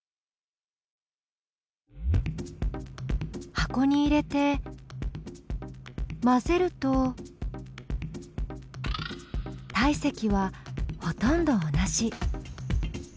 箱に入れて混ぜると体積はほとんど同じ。